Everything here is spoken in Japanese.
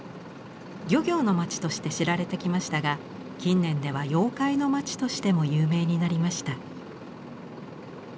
漁業の町として知られてきましたが近年では妖怪の町としても有名になりました。